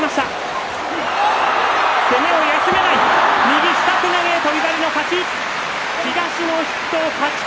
右下手投げ、翔猿の勝ち。